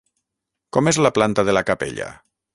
Com és la planta de la capella?